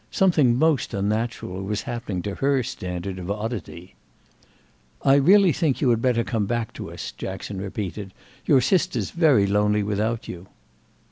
Something most unnatural was happening to her standard of oddity. "I really think you had better come back to us," Jackson repeated: "your sister's very lonely without you."